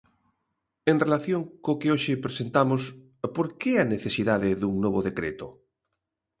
En relación co que hoxe presentamos, ¿por que a necesidade dun novo decreto?